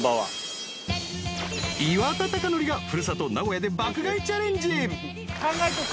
岩田剛典が故郷、名古屋で爆買いチャレンジ。